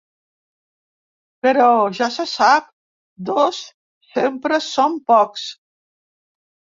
Però, ja se sap, dos sempre són pocs.